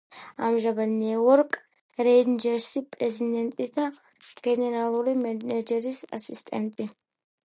ამჟამად ნიუ-იორკ რეინჯერსში პრეზიდენტის და გენერალური მენეჯერის ასისტენტი.